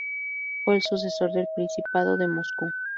Fue el sucesor del Principado de Moscú.